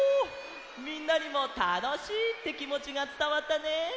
みんなにも「たのしい」ってきもちがつたわったね。